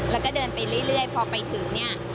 แล้วก็เดินไปเรื่อยพอไปถึงเนี่ย